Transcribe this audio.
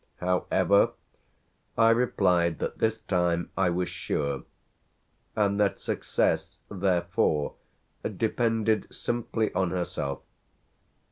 However, I replied that this time I was sure and that success therefore depended simply on herself.